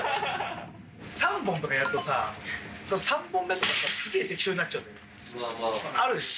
３本とかやるとさ３本目とかがスゲー適当になっちゃうってあるし。